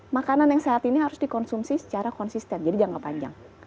makanan yang sehat ini harus dikonsumsi secara konsisten jadi jangka panjang